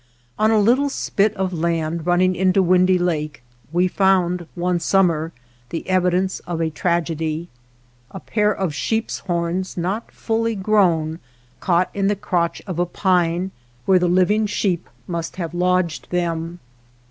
On a little spit \oi land running into Windy Lake we found / one summer the evidence of a tragedy ; a j pair of sheep's horns not fully grown caught 1 in the crotch of a pine where the living sheep must have lodged them.